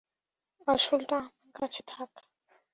আসলটা আমার কাছে থাক!